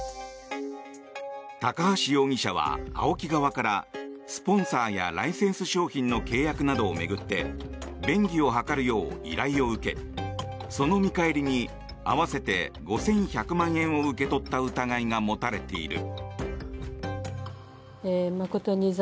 高橋容疑者はＡＯＫＩ側からスポンサーやライセンス商品などの契約を巡って便宜を図るよう依頼を受けその見返りに合わせて５１００万円を受け取った疑いが持たれている。